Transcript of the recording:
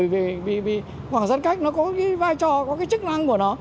vì khoảng giãn cách nó có cái vai trò có cái chức năng của nó